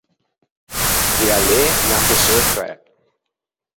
Gh’ea lê e anche seu fræ.